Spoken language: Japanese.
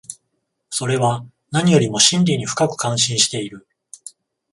それは何よりも真理に深く関心している。